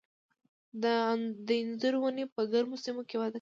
د انځرو ونې په ګرمو سیمو کې وده کوي.